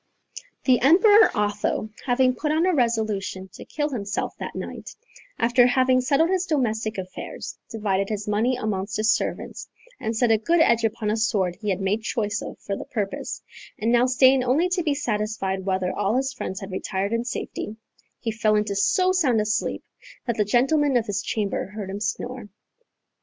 The Emperor Otho, having put on a resolution to kill himself that night, after having settled his domestic affairs, divided his money amongst his servants, and set a good edge upon a sword he had made choice of for the purpose, and now staying only to be satisfied whether all his friends had retired in safety, he fell into so sound a sleep that the gentlemen of his chamber heard him snore.